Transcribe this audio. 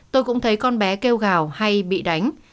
tôi cũng thấy con bé kêu gào hay bị đánh